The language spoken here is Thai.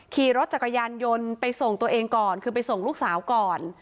ขี่รถจักรยานยนต์ไปส่งตัวเองก่อนคือไปส่งลูกสาวก่อน